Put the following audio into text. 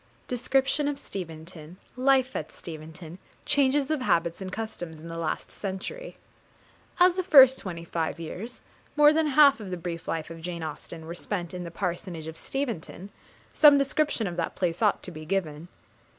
Description of Steventon Life at Steventon Changes of Habits and Customs in the last Century. As the first twenty five years, more than half of the brief life of Jane Austen, were spent in the parsonage of Steventon, some description of that place ought to be given.